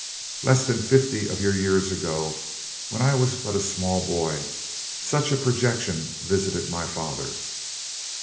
Less than fifty of your years ago, when I was but a small boy, such a projection visited my father.